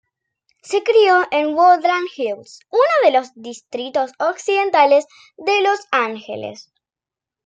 Se crio en Woodland Hills, uno de los distritos occidentales de Los Ángeles.